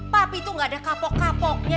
papi tuh gak ada kapok kapoknya